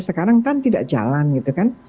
sekarang kan tidak jalan gitu kan